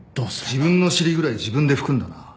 自分の尻ぐらい自分で拭くんだな。